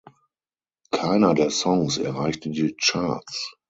Keiner der Songs erreichte die Charts.